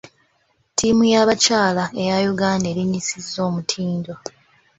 Ttiimu y'abakyala eya Uganda erinnyisiza omutindo.